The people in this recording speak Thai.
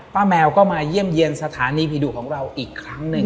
แมวก็มาเยี่ยมเยี่ยมสถานีผีดุของเราอีกครั้งหนึ่ง